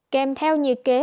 kèm theo nhiệt kế